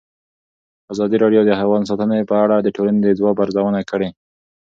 ازادي راډیو د حیوان ساتنه په اړه د ټولنې د ځواب ارزونه کړې.